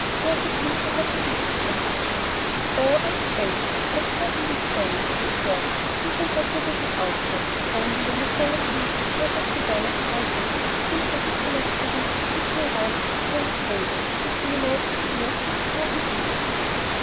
They are so pleased to have a visit from you." "Oh, I'll stay! I'll certainly stay," said Dorry. "You shall have your visit out, John; only, when a fellow feels as perfectly well as I do, it seems ridiculous for him to be sitting round with his hands folded, taking a mountain cure which he doesn't need."